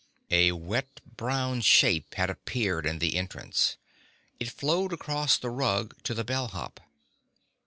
A wet brown shape had appeared in the entrance. It flowed across the rug to the bellhop.